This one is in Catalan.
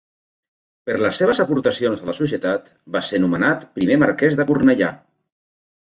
Per les seves aportacions a la societat va ser nomenat primer marquès de Cornellà.